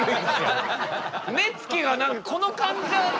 目つきが何かこのかんじゃ。